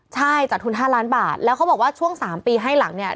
ใช่จากทุน๕ล้านบาทแล้วเขาบอกว่าช่วง๓ปีให้หลังเนี่ย